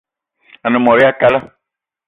A-ne mot ya talla